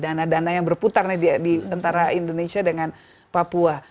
dana dana yang berputar di antara indonesia dengan papua